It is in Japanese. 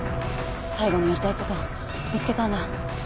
最後にやりたい事見つけたんだ。